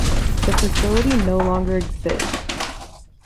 The facility no longer exists.